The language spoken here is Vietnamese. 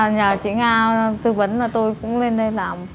nhờ chị nga tư vấn là tôi cũng lên đây làm